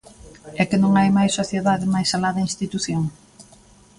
¿É que non hai máis sociedade máis alá da institución?